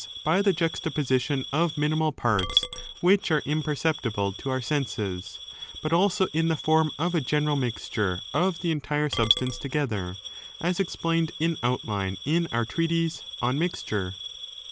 by the juxtaposition of minimal parts which are imperceptible to our senses, but also in the form of a general mixture of the entire substance together, as explained in outline in 19 our treatise On Mieture.